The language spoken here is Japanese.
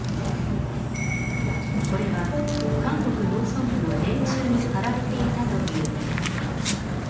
これは韓国農村部の電柱に貼られていたというビラ。